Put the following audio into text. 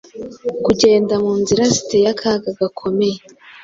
Kugenda munzira ziteye akaga gakomeye,